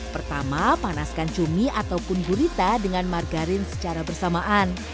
pertama panaskan cumi ataupun gurita dengan margarin secara bersamaan